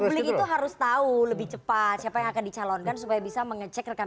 publik itu harus tahu lebih cepat siapa yang akan dicalonkan supaya bisa mengecek rekaman